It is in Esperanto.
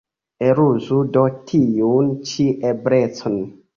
Eluzu do tiun ĉi eblecon.